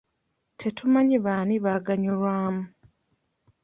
Tetumanyi baani baganyulwamu.